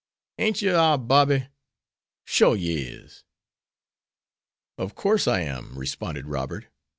Ain't yer our Bobby? Shore yer is." "Of course I am," responded Robert.